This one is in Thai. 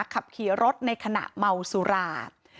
ขับขี่รถในขณะเมาสุรา